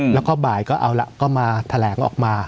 แล้วก็บ่ายก็เอาล่ะก็มาแถลงออกมา